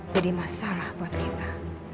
jadi masalah buat kita